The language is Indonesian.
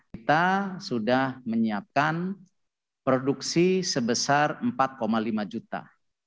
kita sudah menyiapkan produksi sebesar empat lima juta